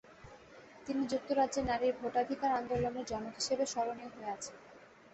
তিনি যুক্তরাজ্যে নারীর ভোটাধিকার আন্দোলনের জনক হিসেবে স্মরণীয় হয়ে আছেন।